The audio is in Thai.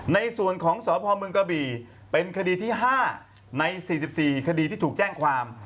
ในส่วนของสพเมืองกระบี่เป็นคดีที่๕ใน๔๔คดีที่ถูกแจ้งความ